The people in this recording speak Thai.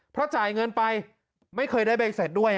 เพราะจ่ายเงินไปไม่เคยได้ใบเสร็จด้วย